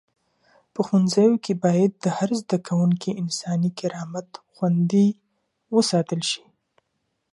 په ښوونځیو کي باید د هر زده کوونکي انساني کرامت خوندي وساتل سي.